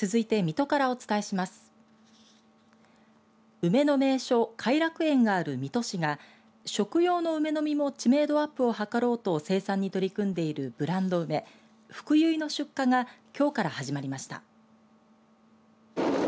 梅の名所、偕楽園がある水戸市が食用の梅の実も知名度アップを図ろうと生産に取り組んでいるブランド梅ふくゆいの出荷がきょうから始まりました。